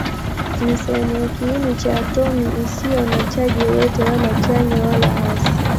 Ni sehemu ya kiini cha atomi isiyo na chaji yoyote, wala chanya wala hasi.